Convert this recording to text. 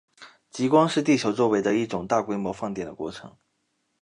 极光是地球周围的一种大规模放电的过程。